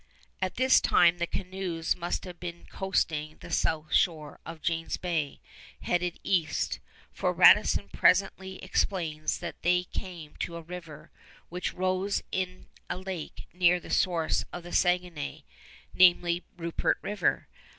At this time the canoes must have been coasting the south shore of James Bay, headed east; for Radisson presently explains that they came to a river, which rose in a lake near the source of the Saguenay namely Rupert River.